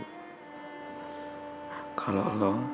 kalau lu perlu orang buat lopang masa lalu